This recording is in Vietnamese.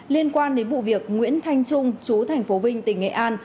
liên quan đến vụ việc nguyễn thanh trung chú thành phố vinh tỉnh nghệ an